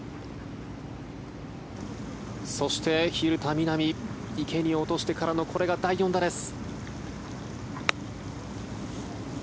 そして、蛭田みな美池に落としてからのこれが第４打です。